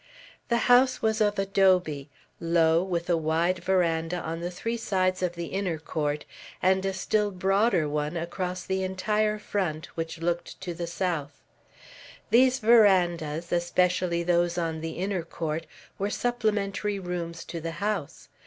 The house, was of adobe, low, with a wide veranda on the three sides of the inner court, and a still broader one across the entire front, which looked to the south. These verandas, especially those on the inner court, were supplementary rooms to the house.